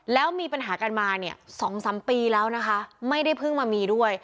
แล้วมีปัญหากันมาเนี่ย๒๓ปีแล้วนะคะไม่ได้เพิ่งมามีด้วย